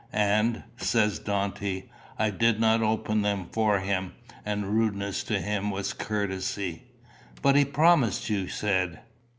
'And,' says Dante, I did not open them for him; and rudeness to him was courtesy.'" "But he promised, you said."